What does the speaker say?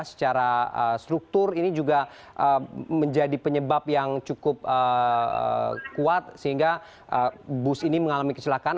secara struktur ini juga menjadi penyebab yang cukup kuat sehingga bus ini mengalami kecelakaan